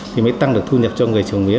thì mới tăng được thu nhập cho người trồng mía